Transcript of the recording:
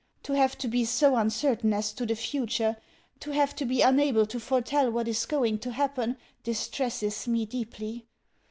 To have to be so uncertain as to the future, to have to be unable to foretell what is going to happen, distresses me deeply.